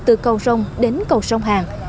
từ cầu rông đến cầu sông hàng